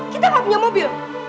kita gak punya mobil